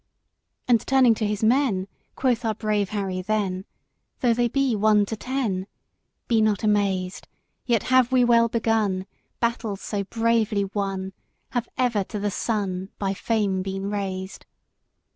II. And turning to his men, Quoth our brave Harry then, Though they be one to ten, Be not amazed. Yet have we well begun; Battles so bravely won Have ever to the sun By fame been raised.